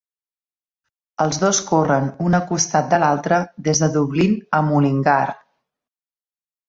Els dos corren un a costat de l'altre des de Dublín a Mullingar.